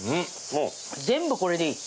全部これでいい。